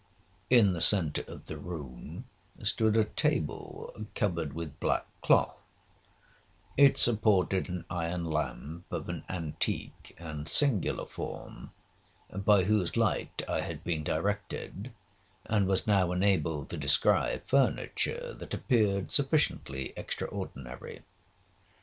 In the centre of the room stood a table covered with black cloth; it supported an iron lamp of an antique and singular form, by whose light I had been directed, and was now enabled to descry furniture that appeared sufficiently extraordinary.